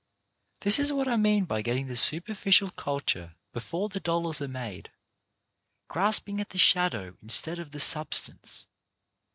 This is what I mean by getting the superficial culture before the dollars are made; grasping at the shadow instead of the substance.